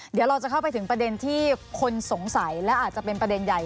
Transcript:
เดี๋ยวเราจะเข้าไปถึงประเด็นที่คนสงสัยและอาจจะเป็นประเด็นใหญ่